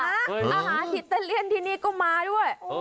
อาหารที่เต้นเลี่ยนที่นี่ก็มาด้วย